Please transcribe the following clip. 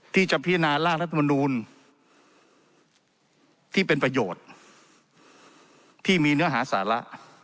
พิจารณาร่างรัฐมนูลที่เป็นประโยชน์ที่มีเนื้อหาสาระ